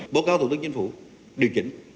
bộ kế hoạch đầu tư chính phủ điều chỉnh